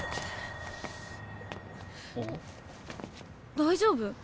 大丈夫？